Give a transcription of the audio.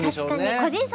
確かに。